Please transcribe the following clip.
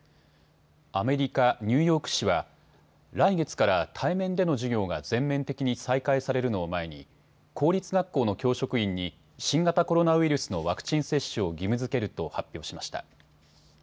アメリカ・ニューヨーク市は、来月から対面での授業が全面的に再開されるのを前に公立学校の教職員に新型コロナウイルスのワクチン接種を義務づけると発表しました。